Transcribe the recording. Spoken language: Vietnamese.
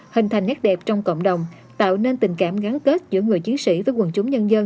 hình thành nét đẹp trong cộng đồng tạo nên tình cảm gắn kết giữa người chiến sĩ với quần chúng nhân dân